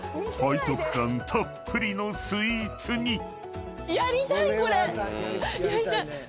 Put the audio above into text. ［背徳感たっぷりのスイーツに］